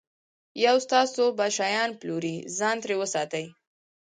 پر تاسو به شیان پلوري، ځان ترې وساتئ.